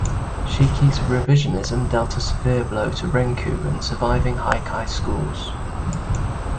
Shiki's revisionism dealt a severe blow to renku and surviving haikai schools.